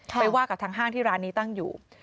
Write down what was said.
ไปว่ากับทางห้างที่ร้านนี้ตั้งอยู่